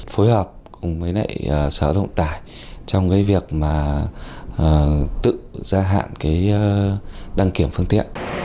phối hợp cùng với sở động tải trong việc tự ra hạn đăng kiểm phương tiện